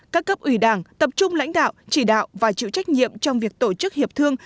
các cấp ủy đảng tập trung lãnh đạo chỉ đạo và chịu trách nhiệm trong việc tổ chức hiệp thương